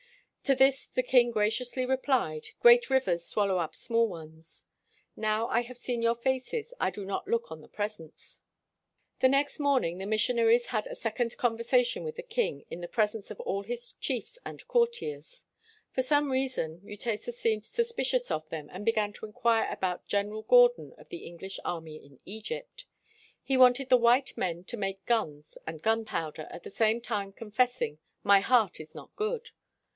To this the king graciously replied: "Great rivers swallow up small ones. Now I have seen your faces, I do not look on the presents." 79 WHITE MAN OF WORK The next morning the missionaries had a second conversation with the king in the presence of all his chiefs and courtiers. For some reason, Mutesa seemed suspicious of them and began to inquire about General Gordon of the English army in Egypt. He wanted the white men to make guns and gunpowder, at the same time confessing "My heart is not good."